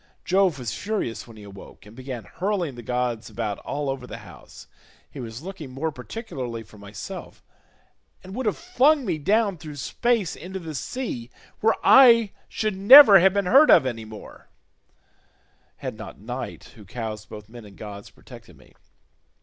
Jove was furious when he awoke, and began hurling the gods about all over the house; he was looking more particularly for myself, and would have flung me down through space into the sea where I should never have been heard of any more, had not Night who cows both men and gods protected me.